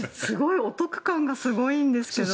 お得感がすごいんですけど。